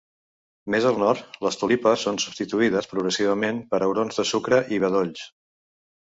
Més al nord, les tulipes són substituïdes progressivament per aurons de sucre i bedolls.